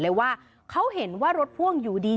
เลยว่าเขาเห็นว่ารถพ่วงอยู่ดี